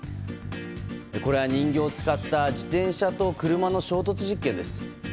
これは人形を使った自転車と車の衝突実験です。